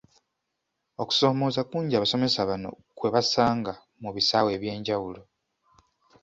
Okusomooza kungi abasomesa bano kwe basanga mu bisaawe eby’enjawulo.